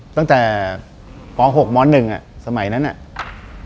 ตั้งแต่ป๖ม๑อ่ะสมัยนั้นน่ะ